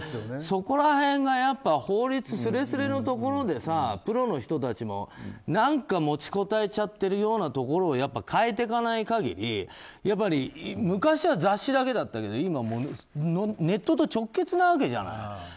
そこら辺がやっぱり法律すれすれのところでプロの人たちも持ち堪えちゃっているようなところを変えていかない限り昔は雑誌だけだったけど今、ネットと直結なわけじゃない。